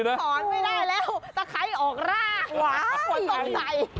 ถอนไม่ได้แล้วแต่ใครออกร่างต้องใส่